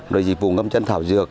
rồi dịch vụ ngâm chân thảo dược